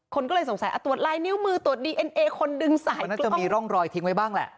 คนก็เลยสงสัยอ่ะตรวจลายนิ้วมือตรวจดีเอ็นเอคนดึงใส่มันน่าจะมีร่องรอยทิ้งไว้บ้างแหละ